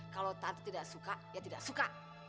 kalau tanpa tidak suka ya tidak suka